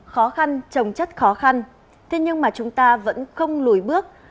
khó khăn trồng chất khó khăn thế nhưng mà chúng ta vẫn không lùi bước